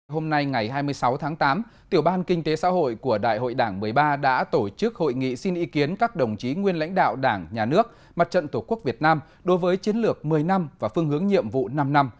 hôm nay ngày hai mươi sáu tháng tám tiểu ban kinh tế xã hội của đại hội đảng một mươi ba đã tổ chức hội nghị xin ý kiến các đồng chí nguyên lãnh đạo đảng nhà nước mặt trận tổ quốc việt nam đối với chiến lược một mươi năm và phương hướng nhiệm vụ năm năm